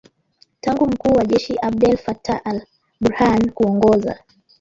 tangu mkuu wa jeshi Abdel Fattah al-Burhan kuongoza